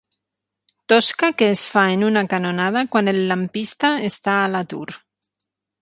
Tosca que es fa en una canonada quan el lampista està a l'atur.